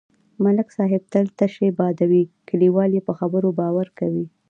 ملک صاحب تل تشې بادوي، کلیوال یې په خبرو باور کوي.